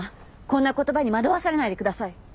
こんな言葉に惑わされないでください。